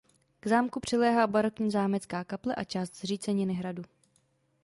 K zámku přiléhá barokní zámecká kaple a část zříceniny hradu.